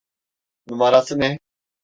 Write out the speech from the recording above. Numarası ne?